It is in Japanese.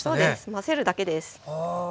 混ぜるだけです。